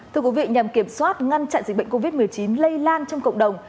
thưa quý vị nhằm kiểm soát ngăn chặn dịch bệnh covid một mươi chín lây lan trong cộng đồng